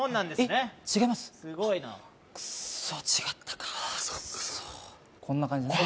クソすごいな違ったかクソこんな感じね